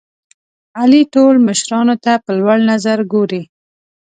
علي ټول مشرانو ته په لوړ نظر ګوري.